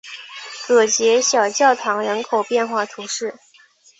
戈捷小教堂人口变化图示